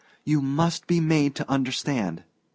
You must be made to understand."